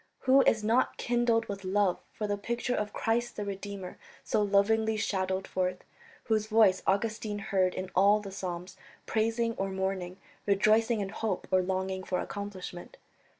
Who is not kindled with love for the picture of Christ the Redeemer so lovingly shadowed forth, whose voice Augustine heard in all the Psalms, praising or mourning, rejoicing in hope or longing for accomplishment?